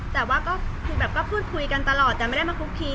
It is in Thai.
แต่ว่าก็ก็พูดคุยกันตลอดแต่ไม่ได้มาคุกพี